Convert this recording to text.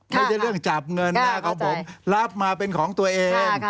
ไม่ใช่เรื่องจับเงินนะของผมรับมาเป็นของตัวเอง